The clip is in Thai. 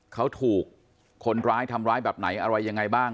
เขาถูกคนร้ายทำร้ายแบบไหนอะไรยังไงบ้าง